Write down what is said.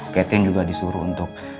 ketia juga disuruh untuk